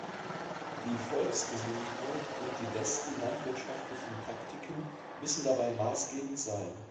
Die Volksgesundheit und die besten landwirtschaftlichen Praktiken müssen dabei maßgebend sein.